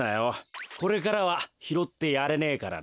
これからはひろってやれねえからな。